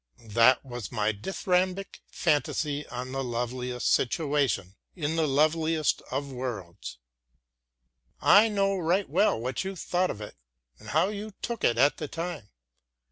That was my dithyrambic fantasy on the loveliest situation in the loveliest of worlds. I know right well what you thought of it and how you took it at that time.